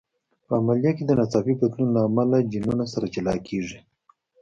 په عملیه کې د ناڅاپي بدلون له امله جینونه سره جلا کېږي.